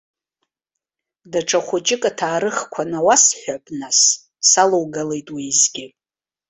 Даҽа хәыҷык аҭаарыхқәа науасҳәап нас, салоугалеит уеизгьы.